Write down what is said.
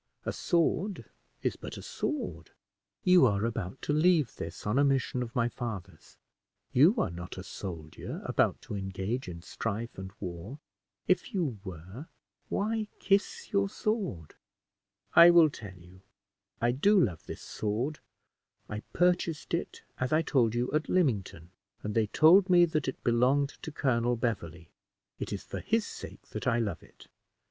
A sword is but a sword. You are about to leave this on a mission of my father's. You are not a soldier, about to engage in strife and war; if you were, why kiss your sword?" "I will tell you. I do love this sword. I purchased it, as I told you, at Lymington, and they told me that it belonged to Colonel Beverley. It is for his sake that I love it.